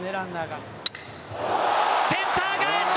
センター返し！